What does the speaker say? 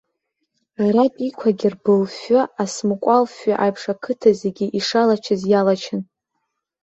Аратәиқәагьы рбылфҩы асыкәмал фҩы аиԥш ақыҭа зегьы ишалачыц иалачын.